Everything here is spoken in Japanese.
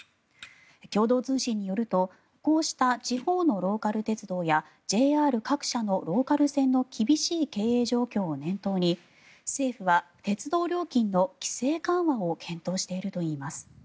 共同通信によるとこうした地方のローカル鉄道やＪＲ各社のローカル線の厳しい経営状況を念頭に政府は鉄道料金の規制緩和を検討しているといいます。